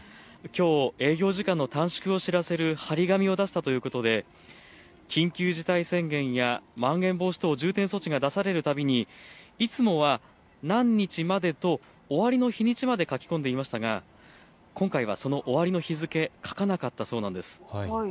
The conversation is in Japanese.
きょう営業時間の短縮を知らせる貼り紙を出したということで緊急事態宣言や、まん延防止等重点措置が出されるたびにいつもは何日までと終わりの日にちまで書き込んでいましたが今回はその終わりの日付、書かなかったそうなんです。